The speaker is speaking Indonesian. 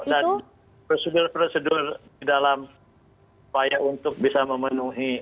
dan prosedur prosedur di dalam supaya untuk bisa memenuhi